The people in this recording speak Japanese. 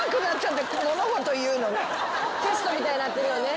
テストみたいになってるよね。